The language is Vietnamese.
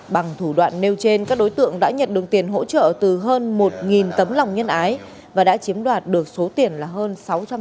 bằng thủ đoạn nêu trên các đối tượng đã nhận được tiền hỗ trợ từ hơn một tấm lòng nhân ái và đã chiếm đoạt được số tiền là hơn sáu trăm linh